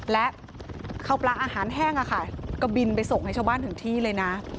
และข้าวปลาอาหารแห้งค่ะก็บินไปส่งให้ชาวบ้านถึงที่เลยนะ